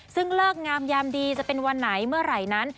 ซึ่งเลิกงามยามดีจะเป็นวันไหนเมื่อไหร่นั้น